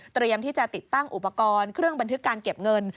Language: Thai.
ที่จะติดตั้งอุปกรณ์เครื่องบันทึกการเก็บเงิน